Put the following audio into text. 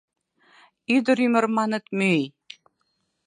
Ӱдыр ӱмыр, маныт, мӱй;